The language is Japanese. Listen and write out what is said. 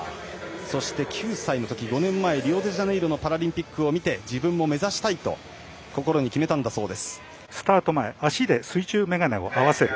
そして９歳のとき５年前リオデジャネイロのオリンピックを見て自分も目指したいと心に決めたんだそうです。